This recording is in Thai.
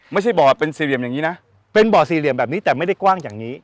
ไม่ใช่บ่อเป็นสี่เหลี่ยมอย่างนี้นะเป็นบ่อสี่เหลี่ยมแบบนี้แต่ไม่ได้กว้างอย่างนี้